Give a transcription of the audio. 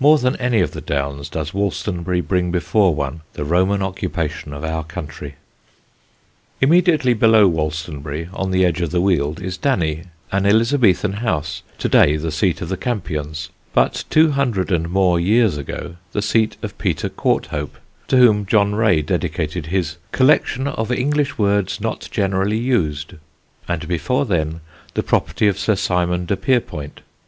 More than any of the Downs does Wolstonbury bring before one the Roman occupation of our country. [Sidenote: DANNY] Immediately below Wolstonbury, on the edge of the Weald, is Danny, an Elizabethan house, to day the seat of the Campions, but two hundred and more years ago the seat of Peter Courthope, to whom John Ray dedicated his Collection of English Words not generally used, and before then the property of Sir Simon de Pierpoint.